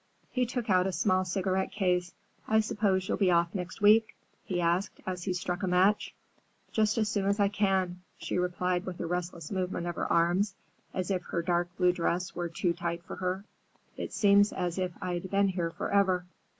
he took out a small cigarette case. "I suppose you'll be off next week?" he asked as he struck a match. "Just as soon as I can," she replied with a restless movement of her arms, as if her dark blue dress were too tight for her. "It seems as if I'd been here forever."